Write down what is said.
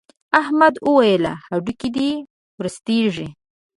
احمد وويل: هډوکي دې ورستېږي.